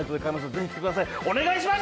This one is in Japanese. ぜひ来てください、お願いします。